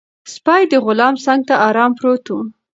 سپی د غلام څنګ ته ارام پروت و.